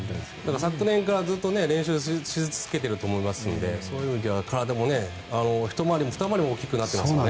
昨年から練習し続けていると思いますからそういう意味では体もひと回りもふた回りも大きくなってますからね。